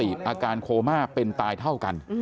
พี่สาวของเธอบอกว่ามันเกิดอะไรขึ้นกับพี่สาวของเธอ